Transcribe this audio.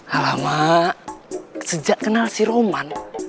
alama sejak kenal si roman